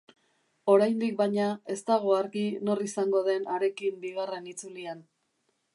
Oraindik, baina, ez dago argi nor izango den harekin bigarren itzulian.